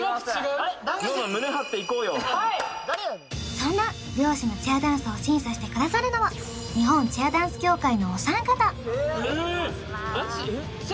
そんな両者のチアダンスを審査してくださるのは日本チアダンス協会のお三方・ええガチ？